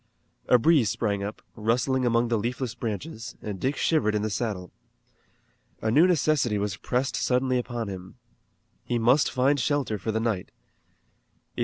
A breeze sprang up, rustling among the leafless branches, and Dick shivered in the saddle. A new necessity was pressed suddenly upon him. He must find shelter for the night.